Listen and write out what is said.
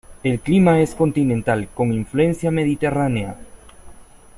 El clima es continental con influencia mediterránea.